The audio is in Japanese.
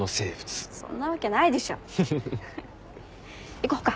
行こうか。